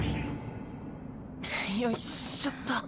よいしょっと。